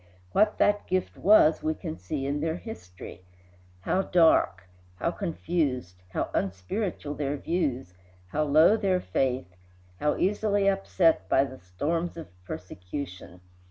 What that gift was we can see in their history. How dark, how confused, how unspiritual their views, how low their faith, how easily upset by the storms of persecution!